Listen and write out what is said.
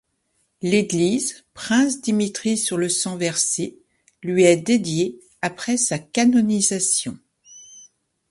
L'église Prince-Dimitri-sur-le-Sang-Versé lui est dédiée après sa canonisation.